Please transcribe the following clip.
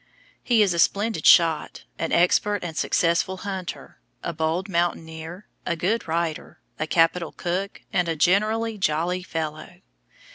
He is a splendid shot, an expert and successful hunter, a bold mountaineer, a good rider, a capital cook, and a generally "jolly fellow."